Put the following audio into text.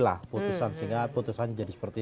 lah putusan sehingga putusan jadi seperti